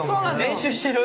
練習してる？